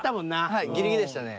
はいギリギリでしたね。